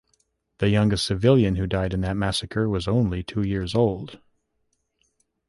The youngest civilian who died in that massacre was only two years old.